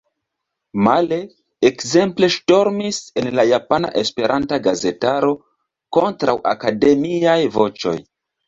Male – ekzemple ŝtormis en la japana esperanta gazetaro kontraŭakademiaj voĉoj.